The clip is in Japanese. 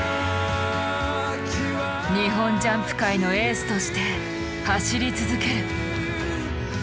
日本ジャンプ界のエースとして走り続ける。